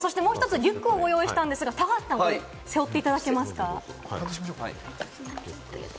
そしてもう１つ、リュックをご用意したんですが、高橋さんに背負っていただきましょう。